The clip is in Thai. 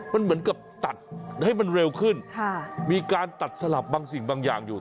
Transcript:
มันเหมือนกับตัดให้มันเร็วขึ้นมีการตัดสลับบางสิ่งบางอย่างอยู่